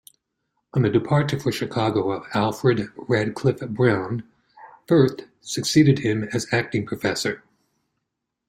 On the departure for Chicago of Alfred Radcliffe-Brown, Firth succeeded him as acting Professor.